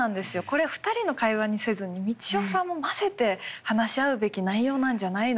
これ２人の会話にせずに三千代さんも交ぜて話し合うべき内容なんじゃないのかと。